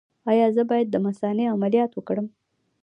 ایا زه باید د مثانې عملیات وکړم؟